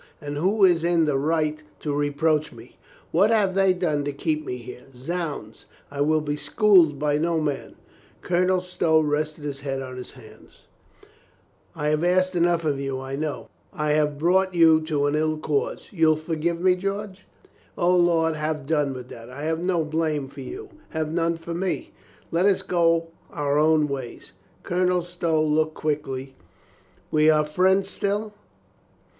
And who is in the right to reproach me? What have they done to keep me here? Zounds, I will be schooled by no man." Colonel Stow rested his head on his hand. "I COLONEL STOW WARNS HIS FRIEND 227 have asked enough of you, I know. I have brought you to an ill cause. You'll forgive me, George?" "O, lud, have done with that. I have no blame for you. Have none for me. Let us go our own ways." Colonel Stow looked up quickly. "We are friends still?"